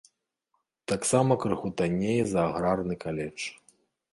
Таксама крыху танней за аграрны каледж.